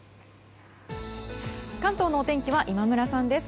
関東のお天気は今村さんです。